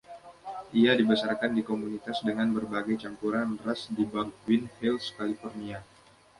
Ia dibesarkan di komunitas dengan berbagai campuran ras di Baldwin Hills, California.